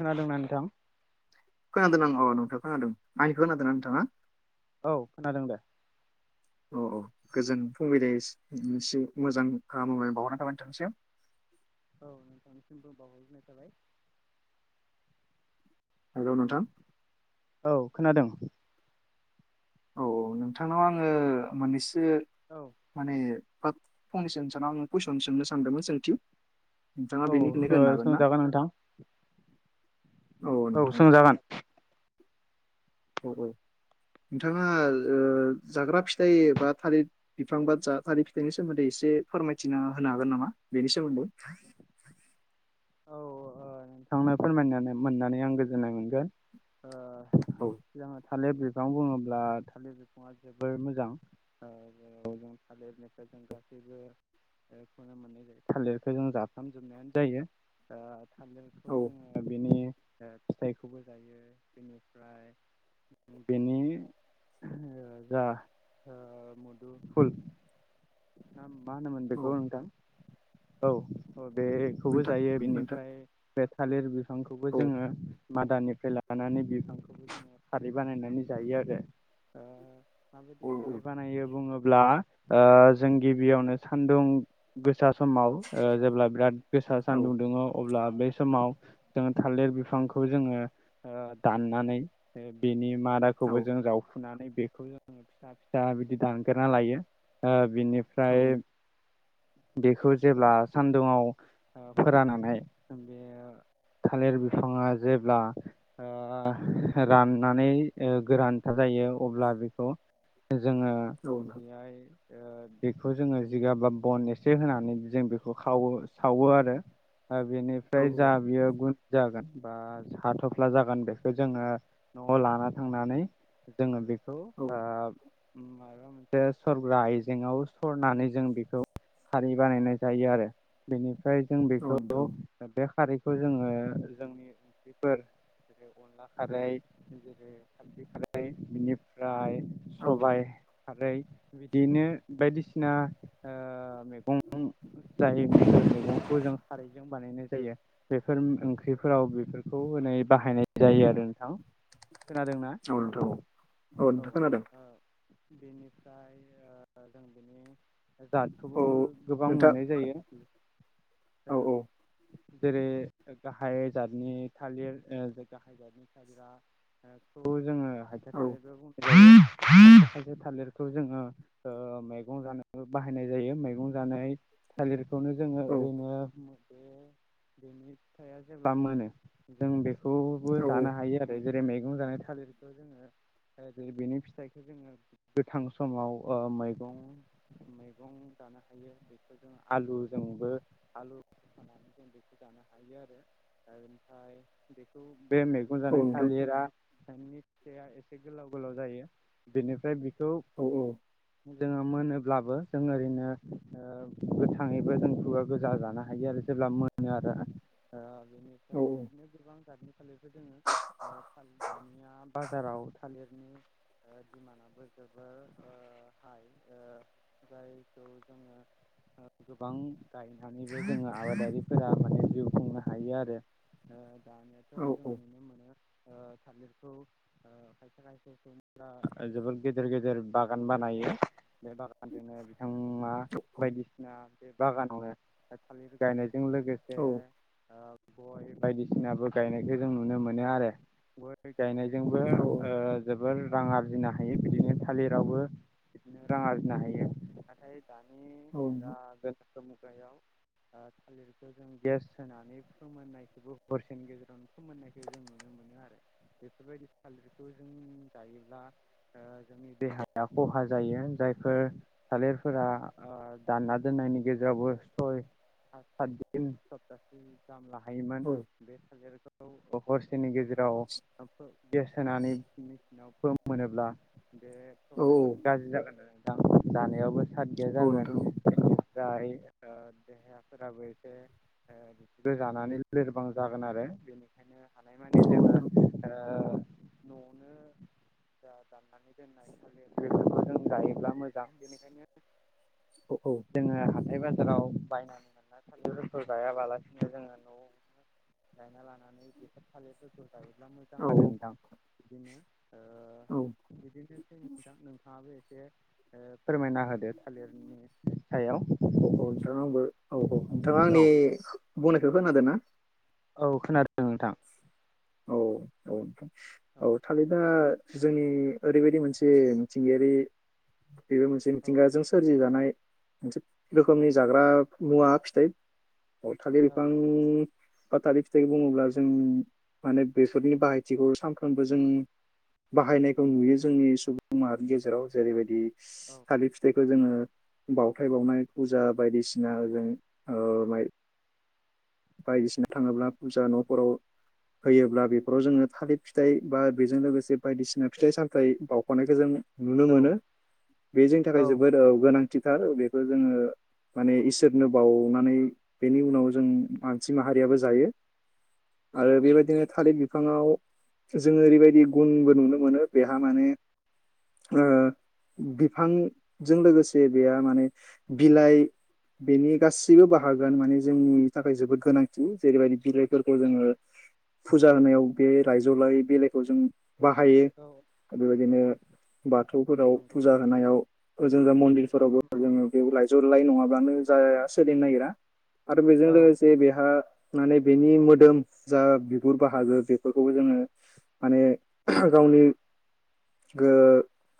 खोनादोंना नोंथां? खोनादों आं औ नोंथांखौ खोनादों आंनिखौ औ खोनादोंना नोंथाङा? खोनादों औ खोनादों दे। औ औ गोजोन फुंबिलिनि मोजां हामब्लाइनाइ बावहरनाय थाबाय नोंथांनिसिम। [inaudible] औ नोंथांनिसिम बो बाउहरग्रोनाय थाबाय हेलौ नोंथां औ खोनादों औ औ नोंथांनाव आङो मोननैसो औ माने फंनैसो नोंसानाव आं कुइसन सोंनो सानदोंमोन सोंथि नोंथाङा ओ बेनि फिननायखौ होनो हागोन ना? सोंजागोन नोंथां औ सोंजागोन। औ औ। नोंथाङा ओ जाग्रा फिथाइ बा थालिर बिफां बा जा थालिर फिथाइनि सोमोन्दै एसे एसे फोरमायथिना होनो हागोन नामा बेनि सोमोन्दै औ ओ नोंथांनो फोरमाय मोननानै आं गोजोननाय मोनगोन औ ओ थालिर बिफां बुङोब्ला थालिर बिफाङा जोबोर मोजां ओ जों जेराव थालिरनि जों गासैबो बेखौनो मोननाय जायो थालिरखो जों जााफ्रामजोबनायानो जायो। थालिरखौ औ जोङो बेनि ओ फिथाइखौबो जायो बेनिफ्राय बेनि जा ओ मदुफुल ना मा मा होनोमोन औ बेखौ नोंथां औ बेखौबो नोंथां जायो नोंथां बेनिफ्राय बे थालिर बिफांखौबो औ जोङो मादानि लानानै बिफांखौबो जोङो खारै बानायनानै जायो आरो ओ माबायदि औ खारै बानायो बुङोब्ला ओ जों गिबियावनो सान्दुं गोसा समाव ओ जेब्ला बिराद गोसा सानदुं औ दुङो अब्ला बे समाव जों थालिर बिफांखौ जोङो ओ दाननानै बेनि मादाखौबो जों जावफुनानै बेखौ जोङो फिसा फिसा बिदि दानगोरना लायो ओ औ बिनिफ्राय बेखौ जेब्ला सानदुङाव फोराननानै बे थालिर बिफाङा जेब्ला ओ राननानै ओ गोरान था जायो अब्ला बेखौ जोङो औ औ बेहाय ओ बेखौ जोङो जिगाब बा बन एसे होनानै जों बेखौ खावो सावो आरो। ओ औ बेनिफ्राय जा बियो गुन जागोन बा हाथफ्ला जागोन बेखौ जोङो न'वाव लाना थांनानै। जोङो बे औ। माबा मोनसे सरग्रा आयजेङाव सरनानै जों बेखौ खारि बानायनाय जायो आरो बेनिफ्राय जों बेखौ नोंथां बे खारैखौ जोङो जोंनि ओंख्रिफोर अनला खारै [unintelligible] बिनिफ्राय औ सबाइ। खारै बिदिनो बायदिसिना ओ मैगं जायफोर मैगंखौ जों खारैजों बानायनाय। जायो बेफोर ओंख्रिफोराव बेफोरखौ होनाय बाहायनाय जायो आरो नोंथां। खोनादोंना औ नोंथां औ औ नोंथां खोनादों। ओ बेनिफ्राय ओ जों बिनि जादखौबो औ गोबां नोंथां मोननाय जायो औ औ। औ जेरै गाहाय जाथनि थालिर ओ गाहाय जाथनि थालिरा बेखौ जोङो हायथा औ थालिरबो बुंजायो। खायसे थालिरखौ जोङो ओ मैगं जानो बाहायनाय जायो मैगं जानाय। थालिरखौनो जोङो औ ओरैनो बेनि फिथाइआ जेब्ला मोनो जों बेखौबो औ जानो हायो आरो। जेरै मैगं जानाय थालिरखौ जोङो। ओ बेनि फिथाइखौ जोङो गोथां समाव ओ मैगं मैगं। जानो हायो बेफोरजों आलुजोंबो आलु। होफानानै जों जानो हायो आरो ओ ओमफ्राय बेखौ बे मैगं औ जानाय नोंथां थालिरा। बिफांनि फिथायआ एसे गोलाव गोलाव जायो बेनिफ्राय। औ औ। जोङो मोनोब्लाबो जों ओरैनो ओ गोथाङैबो जों खुगा गोजा जानो हायो आरो जेब्ला मो नो आरो ओ औ बेनिफ्राय बिदिनो गोबां जादनि थालिरबो ओ दोङो ओ दानिया बाजाराव ओ थालिरनि दिमानाबो जोबोर ओ हाय ओ जायखौ जोङो ओ गोबां गायनानैबो जोङो आबादारिफोरा माने जिउ खुंनो हायो आरो ओ दानियाथ' औ जों औ नोंथां औ नोंथां औ नुनो मोनो ओ थालिरखौ ओ खायसे खायसेखौ सुबुंफोरा जोबोर गेदेर गेदेर बागान बानायो। बे बागानजोंनो बिथाङा बायदिसिना बे बागानावनो थालिर गायनाय जों लोगोसे ओ गय बायदिसिनाबो गायनायखौ जों नुनो मोनो आरो गय गायनाय जोंबो ओ जो बोर रां आरजिनो हायो बिदिनो थालिरावबो बिदिनो रां आरजिनो हायो नाथाय दानि दा गोनोखो मुगायाव ओ थालिरखौ जों गेस होनानै फोमोननायखौबो हरसेनि गेजेरावनो फोमोननायखौ जों नुनो मोनो आरो। बेफोरबायदि थालिरखौ जों जायोब्ला ओ जोंनि देहाया खहा जायो। जायफोर थालिरफोरा ओ दानना दोननायनि गेजेरावबो सय सातदिन सपतासे गाहाम औ लाहैयोमोन बे थालिरखौ। औ हरसेनि गेजेर गेस होनानै मेचिनाव फोमोनोब्ला बे थ बायमान गाज्रि जागोन आरो। मोजां जानायावबो साद गैया जागोन बेनिफ्राय देहा फोराबो एसे ओ बिदिबो जानानै लोरबां जागोन आरो बेनिखायनो। हानायमानि औ जोङो नोंथां। ओ न'आव नो। जा दाननानै दोननाय थालिर बेफोरखौ जों जायोब्ला मोजां बेनिखायनो जोङो हाथाय बाजाराव बायनानै नोंथांङा थालिर रुफल जायाबालासिनो जोङो न'आवनो गायना लानानै बेफोर थालिर रुफल। गायोब्ला मोजां आरो नोंथां बिदिनो। ओ बिदिनोसै नोंथां नोंथाङाबो एसे ओ फोरमायना होदो। थालिरनि सायाव। नोंथां आंबो औ औ नोंथाङा औ आंनि बुंनायखौ खोनादों ना? औ खोनादों नोंथां। औ औ औ थालिदा जोंनि ओरैबायदि मोनसे मिथिंगायारि बेबो मोनसे औ मिथिंगाजों सोरजिजानाय। मोनसे औ रोखोमनि जाग्रा मुवा फिथाइ थालिर औ बिफां। बाथारि फिथाइखौ बुङोब्ला जों माने बेसरनि बाहायथिखौ सानफ्रोमबो जों। बाहायनायखौ नुयो जोंनि सुबुं माहारिनि गेजेराव जेरैबायदि औ थालिर फिथाइखौ जोङो। बावथाय बावनाय फुजा बायदिसिना जों ओ माइ बायदिसिना औ थाङोब्ला फुजा न'फोराव होयोब्ला बेफोराव जोङो थालिर फिथाइ बा बेजों लोगोसे बायदिसिना फिथाइ सामथाइ बावउख'नायखौ जों नुनो मोनो औ बे जोंनि थाखाय ओ औ जोबोद नोंथां गोनांथिथार बे जोङो माने इसोरनो बावनानै बेनि उनाव जों मानसि माहारियाबो जायो औ आरो बेबायदिनो थालिर बि फांङाव जोङो ओरैबायदि गुनबो नुनो मोनो बेहा माने ओ बिफांजों लोगोसे बेहा माने बिलाइ बेनि गासैबो औ बाहागोआनो माने जोंनि थाखाय जोबोद गोनांथि जेरैबायदि बिलाइफोरखौ जोङो फुजा होनायाव बे लायजौलाय बिलाइखौ जों बाहायो औ औ बेबायदिनो बाथौफोराव नंगौ फुजा होनायाव ओजों ओजा मन्दिर फोरावबो‌ औ जोङो बेयाव लाइजौ लाय नङाब्लानो जाया सोलिनो नागिरा आरो औ बेजों लोगोसे बेहा माने बेनि मोदोम जा बिगुर बाहागो बेफोरखौबो जोङो माने गावनि गो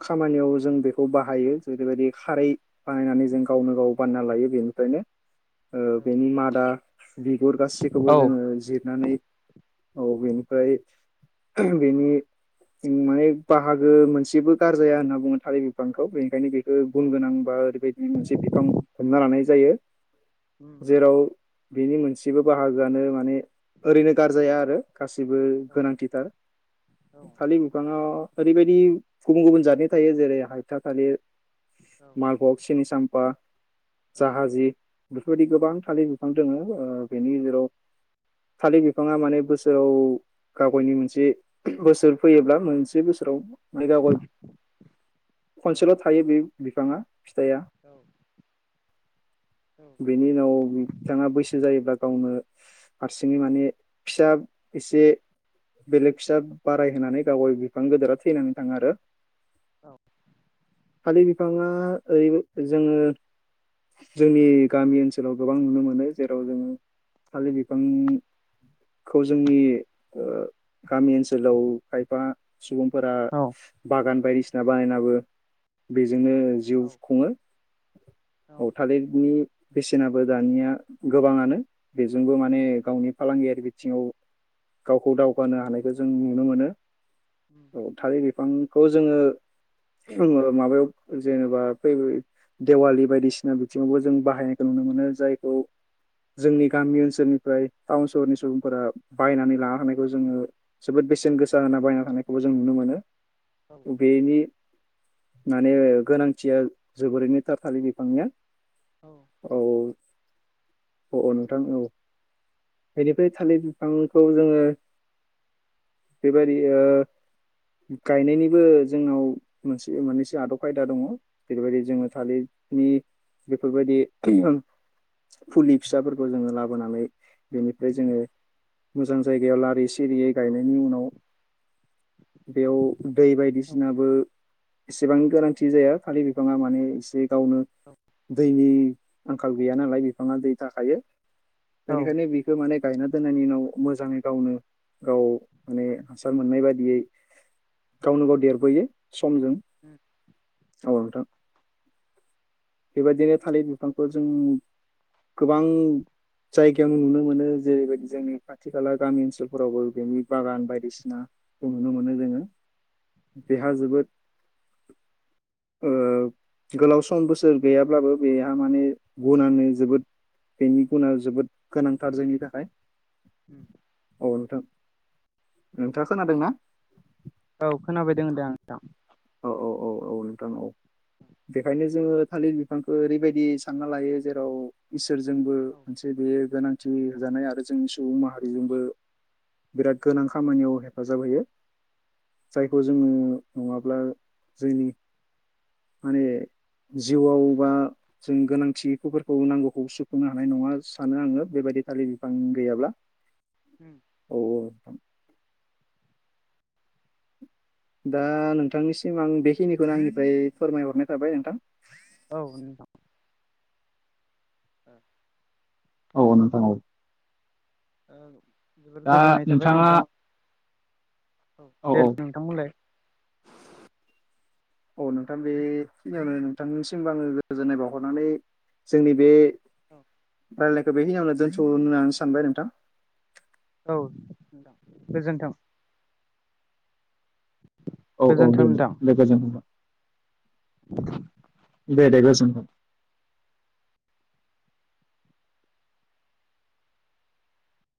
खामानियाव जों बेखौ बाहायो। जेरैबायदि खारै बानायनानै जों गावनो गाव बानायना लायो बेनिफ्रायनो ओ बेनि मादा बिगुर औ गासिबखौबो जोङो जिरनानै औ बेनिफ्राय बेनि माने बाहागो मोनसेबो गारजाया होनना बुङो थालिर बिफांखौ बेनिखायनो बे खौ औ गुन गोनां बा ओरैबायदि मोनसे बिफां हमना लानाय जायो। उम जेराव बिनि मोनसेबो बाहागोआनो माने ओरैनो गारजाया आरो। गासिबो औ गोनांथिथार औ थालिर बिफाङा ओरैबायदि गुबुन गुबुन जातनि थायो। जेरै हायथा थालिर औ मालभग सिनि साम फा औ जाहाजि बेफोरबायदि गोबां थालिर बिफां दोङो ओ बेनि गेजेराव थालिर बिफाङा माने बोसोराव [unintelligible] मोनसे बोसोर फैयोब्ला मोनसे बोसो राव मैगा गय औ खनसेल' थायो बे बिफाङा फिथाइया उम बेनि उनाव बैसो जायोब्ला गावनो हारसिङै माने फिसा एसे बेलेग फिसा बारायहोनानै गाव गाव बिफां गिदिरा थैनानै थाङो आरो उम औ खालि बिफाङा ओरै जोङो जोंनि गामि ओनसोलाव गोबां नुनो मो नो जेराव जोङो थालिर बिफांखौ जोंनि ओ गामि ओनसोलाव खायफा सुबुंफोरा बागान बायदि सिना बानायनाबो बे जोंनो जिउ खुङो थालिरनि बेसेनाबो दानिया गोबाङानो बेजोंबो औ माने उम गावनि फालांगियारि बिथिङाव गावखौ दावगानो हानायखौ जों नुनो मोनो। औ थालिर बिफांखौ जोङो [unintelligible] माबायाव जेनेबा फैब देवालि बायदिसिना बिथिङावबो जों बाहायनायखौ नुनो मोनो। जायखौ जोंनि गामि ओनसोलनिफ्राय टाउन सहरनि सुबुंफोरा बायनानै लाना थानायखौ जोङो जोबोद बेसेन गोसा होना बायना लांनायखौबो जों नुनो मोनो। बेनि माने गोनांथिया जोबोरैनो था थालिर बिफांनिया औ। अ औ नोंथां औ बेनिफ्राय थालिर बिफांखौ जोङो बेबादि ओ गायनायनिबो जोंनाव मोनसे मोननैसो आदब खायदा दङ। जेरैबायदि जोङो थालिरनि बेफोरबायदि फुलि फिसाफोरखौ जोङो लाबोनानै बेनिफ्राय जोङो मोजां जायगायाव लारिसे सिरियै गायनायनि उनाव बेयाव दै बायदिसिनाबो एसेबां गोनांथि जाया खालि बिफाङा माने एसे गावनो दैनि आंखाल गैया नालाय बिफाङा दै थाखायो बेनिखायनो बिखौ माने गायना दोननायनि उनाव मोजाङै गावनो गाव माने हासार मोननाय बायदियै गावनो गाव देरबोयो समजों। उम। औ नोंथां बेबायदिनो थालिर बिफांफोरजों गोबां जायगायाव नुनो मोनो। जेरैबायदि जोंनि खाथि खाला गामि ओनसोलफोरावबो बेनि बागान बायदिसिना नुनो मोनो जोङो। बेहा जोबोद ओ गोलाव सम बो सोर गैयाब्लाबो बेहा माने गुनानो जोबोद बेनि गुनाआ जोबोद गोनांथार जोंनि थाखाय। औ औ नोंथां नोंथाङा खोनादोंना? औ खोनाबाय दं दे आं नोंथां। औ औ औ औ नोंथां औ। बेखायनो जोङो थालिर बिफांखौ ओरैबायदि सानना लायो जेराव इसोरजोंबो औ मोनसे बेयो गोनांथि होजानाय आरो जोंनि सुबुं माहारिजोंबो बिराद गोनां खामानियाव हेफाजाब होयो उम जायखौ जोङो नङा ब्ला जोंनि माने जिउआव बा जों गोनांथिफोरखौ नांगौखौ सुफुंनो हानाय नङा सानो आङो बेबायदि थालिर बिफां गैयाब्ला। उम। [inaudible] दा नोंथांनिसिम आं बेखिनिखौनो आंनिफ्राय फोरमाय हरनाय थाबाय नोंथां। औ नोंथां। औ। औ नोंथां औ। ओ जोबोर दा गोजोननाय थाबाय नोंथाङा नोंथां। औ दे नोंथां होनबालाय। औ नोंथां बेखिनियावनो नोंथांनिसिमबो आङो गोजोननाय बावहरनानै जोंनि बे औ। रायलायखौ बेखिनिआवनो दोनथ'नो होननानै सानबाय नोंथां। औ नोंथां गोजोनथों। औ औ गोजोन्थों दे नोंथां। गोजोन्थों नोंथां। [inaudible] दे दे गोजोनथों।